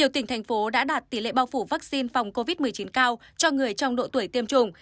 nhiều tỉnh thành phố đã đạt tỷ lệ bao phủ vaccine phòng covid một mươi chín cao cho người trong độ tuổi tiêm chủng